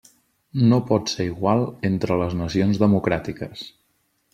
No pot ser igual entre les nacions democràtiques.